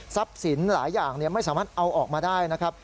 สินหลายอย่างไม่สามารถเอาออกมาได้นะครับ